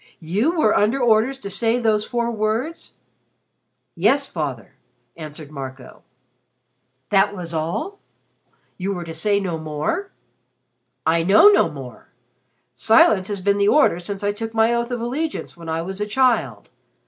"You were under orders to say those four words?" "Yes, Father," answered Marco. "That was all? You were to say no more?" "I know no more. Silence has been the order since I took my oath of allegiance when I was a child.